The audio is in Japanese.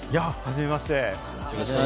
はじめまして。